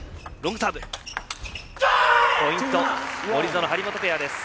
ポイント、森薗、張本ペア。